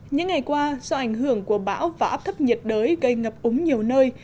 những ngày qua do ảnh hưởng của bão và áp thấp nhiệt đới gây ngập úng nhiều nơi